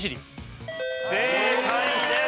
正解です！